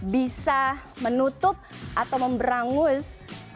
bisa menutup atau memberangus